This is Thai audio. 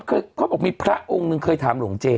เขาบอกมีพระองค์นึงเคยถามหลวงเจ